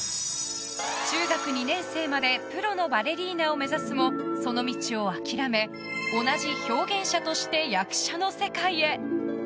中学２年生までプロのバレリーナを目指すもその道を諦め同じ表現者として役者の世界へ。